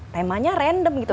temanya random gitu